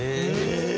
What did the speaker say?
え！？